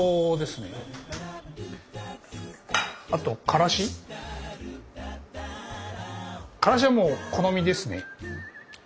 からしはもう好みですね。